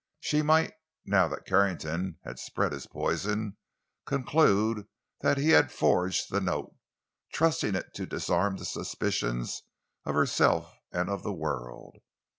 She might, now that Carrington had spread his poison, conclude that he had forged the note, trusting in it to disarm the suspicions of herself and of the world.